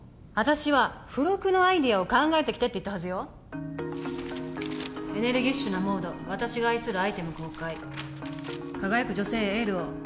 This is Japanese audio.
私は付録のアイディアを考えてきてって言ったはずよ「エネルギッシュなモード私が愛するアイテム公開」「輝く女性へエールを！